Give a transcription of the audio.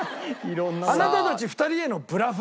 あなたたち２人へのブラフ。